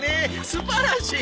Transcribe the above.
素晴らしい！